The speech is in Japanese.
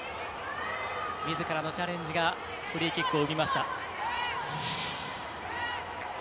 みずからのチャレンジがフリーキックを生みました。